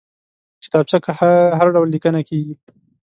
کتابچه کې هر ډول لیکنه کېږي